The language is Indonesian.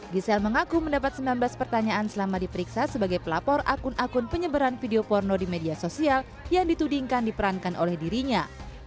gisel mengaku mendapat sembilan belas pertanyaan selama diperiksa sebagai pelapor akun akun penyebaran video porno di media sosial yang ditudingkan diperankan oleh dirinya